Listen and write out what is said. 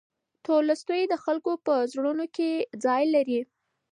تولستوی د خلکو په زړونو کې ځای لري.